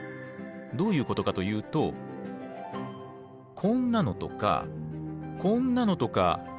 どういうことかというとこんなのとかこんなのとか見たことありません？